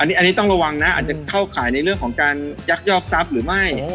อันนี้ต้องระวังนะอาจจะเข้าข่ายในเรื่องของการยักยอกทรัพย์หรือไม่